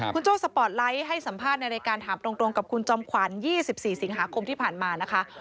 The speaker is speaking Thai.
คุณโจ้สปอร์ตไลท์ให้สัมภาษณ์ในรายการถามตรงกับคุณจอมขวัญ๒๔สิงหาคมที่ผ่านมานะคะ